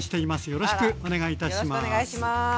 よろしくお願いします。